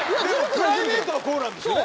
プライベートはこうなんですね。